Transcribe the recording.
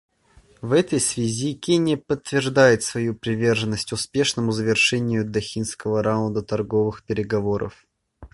В этой связи Кения подтверждает свою приверженность успешному завершению Дохинского раунда торговых переговоров.